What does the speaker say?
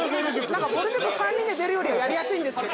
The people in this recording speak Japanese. ぼる塾３人で出るよりやりやすいんですけど。